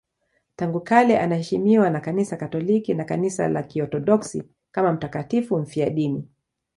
Tangu kale anaheshimiwa na Kanisa Katoliki na Kanisa la Kiorthodoksi kama mtakatifu mfiadini.